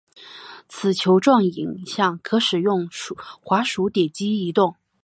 此球状影像可使用滑鼠点击移动。